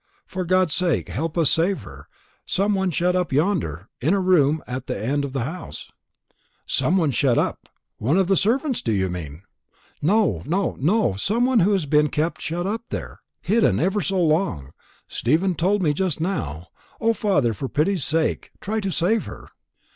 For God's sake, help us to save her some one shut up yonder, in a room at that end of the house." "Some one shut up! One of the servants, do you mean?" "No, no, no. Some one who has been kept shut up there hidden ever so long. Stephen told me just now. O, father, for pity's sake, try to save her!"